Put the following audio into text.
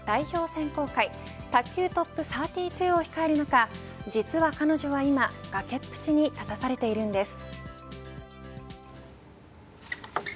選考会卓球トップ３２を控える中実は彼女は今、崖っぷちに立たされているんです。